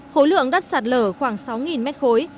khối lượng đất sạt lở khoảng sáu m khối